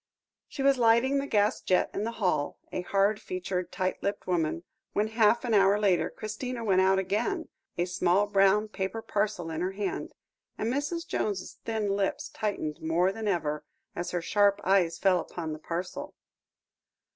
She was lighting the gas jet in the hall, a hard featured, tight lipped woman, when, half an hour later, Christina went out again, a small brown paper parcel in her hand; and Mrs. Jones's thin lips tightened more than ever as her sharp eyes fell upon the parcel.